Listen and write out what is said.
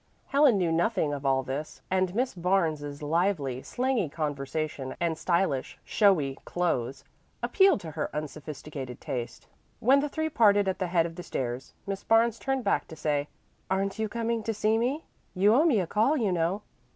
Helen knew nothing of all this, and Miss Barnes's lively, slangy conversation and stylish, showy clothes appealed to her unsophisticated taste. When the three parted at the head of the stairs, Miss Barnes turned back to say, "Aren't you coming to see me? You owe me a call, you know."